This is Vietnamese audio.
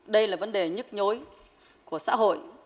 đây là vấn đề nhức nhối của xã hội